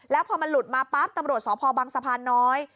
แล้วพอมันหลุดมาปั๊บตำรวจสพบังสะพานน้อย